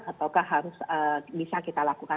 ataukah harus bisa kita lakukan